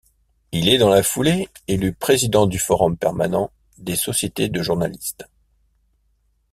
Il est dans la foulée élu président du Forum permanent des sociétés de journalistes.